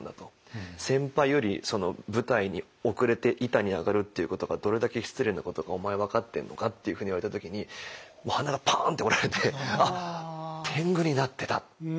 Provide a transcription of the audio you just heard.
「先輩より舞台に遅れて板に上がるっていうことがどれだけ失礼なことかお前分かってるのか」っていうふうに言われた時に鼻がパンッて折られてあっ天狗になってた。